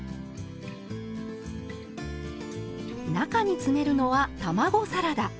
中に詰めるのは卵サラダ。